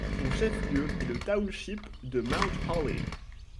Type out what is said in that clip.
Son chef-lieu est le township de Mount Holly.